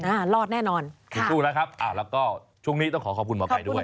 รอดแน่นอนคุณสู้แล้วครับอ่าแล้วก็ช่วงนี้ต้องขอขอบคุณหมอไก่ด้วย